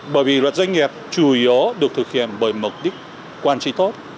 bởi vì luật doanh nghiệp chủ yếu được thực hiện bởi mục đích quản trị tốt